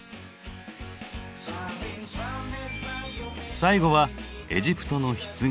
最後はエジプトの棺。